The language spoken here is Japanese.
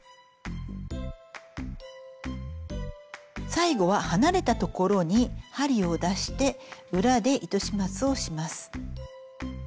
最後は離れた所に針を出して裏で糸始末をします。